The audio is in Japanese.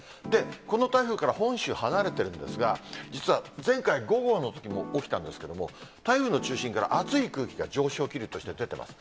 この台風から本州離れているんですが、実は前回、５号のときも起きたんですけども、台風の中心から熱い空気が上昇気流として出てます。